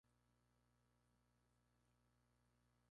La sede se encuentra en San Marcos, California.